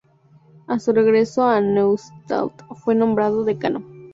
A su regreso a Neustadt, fue nombrado Decano.